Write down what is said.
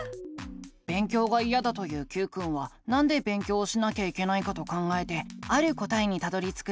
勉強がいやだと言うＱくんはなんで勉強をしなきゃいけないかと考えてある答えにたどりつくんだ。